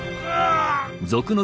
ああ！